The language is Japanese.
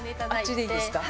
あっちでいいですか？